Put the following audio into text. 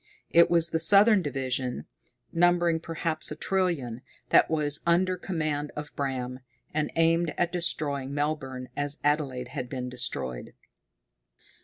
It was the southern division, numbering perhaps a trillion, that was under command of Bram, and aimed at destroying Melbourne as Adelaide had been destroyed.